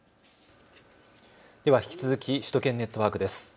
では引き続き首都圏ネットワークです。